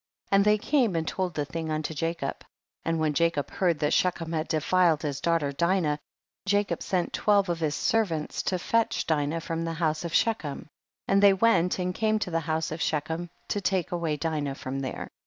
12. And they came and told the thing unto Jacob, and when Jacob heard that Shechem had defiled his daughter Dinah, Jacob sent twelve of his servants to fetch Dinah from the house of Shechem, and they went and came to the house of Shechem to take away Dinah from there.